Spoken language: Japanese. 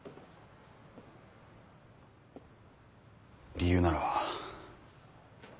理由なら。